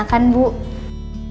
saya sudah langsung enakan bu